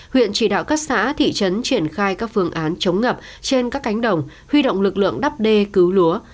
huyện chỉ đạo các xã thị trấn triển khai các phương án chống ngập trên các cánh đồng huy động lực lượng đắp đê cứu lúa